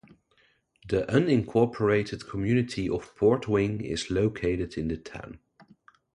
The unincorporated community of Port Wing is located in the town.